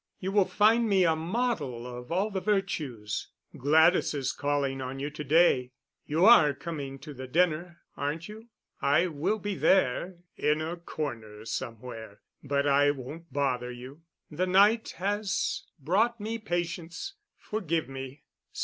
You will find me a model of all the virtues. Gladys is calling on you to day. You are coming to the dinner, aren't you? I will be there—in a corner somewhere, but I won't bother you. The night has brought me patience. Forgive me.